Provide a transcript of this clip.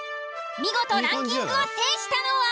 見事ランキングを制したのは？